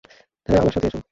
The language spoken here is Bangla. হ্যাঁ, আমার সাথে এসো।